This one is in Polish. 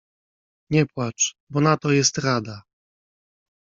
— Nie płacz, bo na to jest rada.